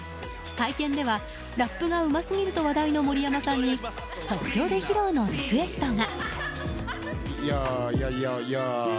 会見では、ラップがうますぎると話題の盛山さんに即興で披露のリクエストが。